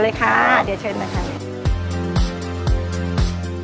เดี๋ยวเชิญเลยครับ